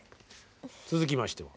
続きまして